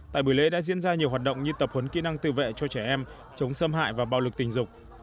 tại buổi lễ đã diễn ra nhiều hoạt động như tập huấn kỹ năng tự vệ cho trẻ em chống xâm hại và bạo lực tình dục